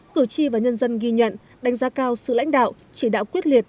cửu chi và nhân dân ghi nhận đánh giá cao sự lãnh đạo chỉ đạo quyết liệt